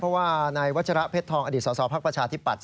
เพราะว่านายวัชระเพชรทองอดีตสอภักดิ์ประชาธิปัตย